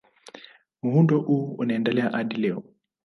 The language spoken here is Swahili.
Muundo huu unaendelea hadi leo.